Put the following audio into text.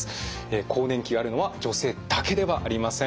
更年期があるのは女性だけではありません。